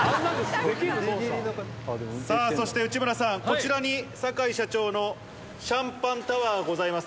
さあそして、内村さん、こちらに酒井社長のシャンパンタワーございます。